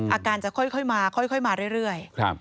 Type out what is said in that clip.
อาการจะค่อยมาค่อยมาเรื่อย